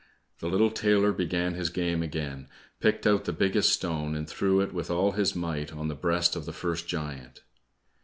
The little tailor began his game again, picked out the biggest stone, and threw it with all his might on the breast of the first giant.